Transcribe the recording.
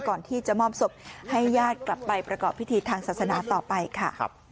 ก่อนที่จะมอบศพให้ญาติกลับไปประกอบพิธีทางศาสนาต่อไปค่ะ